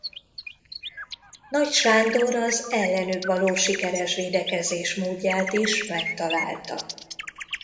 Nagy Sándor az ellenük való sikeres védekezés módját is megtalálta.